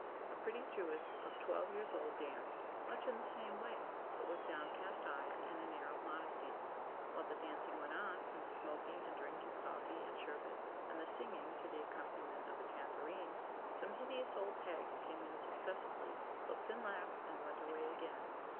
A pretty Jewess of twelve years old danced, much in the same way; but with downcast eyes and an air of modesty. While the dancing went on, and the smoking and drinking coffee and sherbet, and the singing, to the accompaniment of a tambourine, some hideous old hags came in successively, looked and laughed, and went away again.